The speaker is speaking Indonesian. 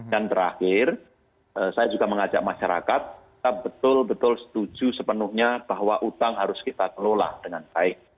dan terakhir saya juga mengajak masyarakat kita betul betul setuju sepenuhnya bahwa utang harus kita kelola dengan baik